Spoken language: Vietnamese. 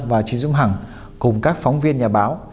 và chị diễm hằng cùng các phóng viên nhà báo